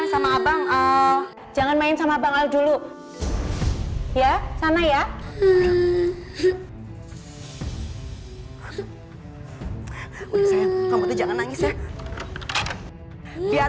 sama abang al jangan main sama bang al dulu ya sana ya udah sayang kamu jangan nangis ya biar